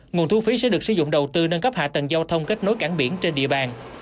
nguồn thu phí sẽ được sử dụng đầu tư nâng cấp hạ tầng giao thông kết nối cảng biển trên địa bàn